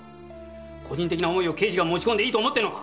個人的な思いを刑事が持ち込んでいいと思ってるのか？